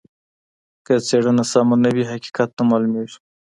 که څېړنه سمه نه وي حقیقت نه معلوميږي.